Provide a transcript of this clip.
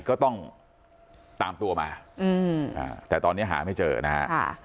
ก็ต้องตามตัวมาแต่ตอนนี้หาไม่เจอนะฮะ